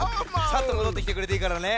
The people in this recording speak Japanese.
サッともどってきてくれていいからね。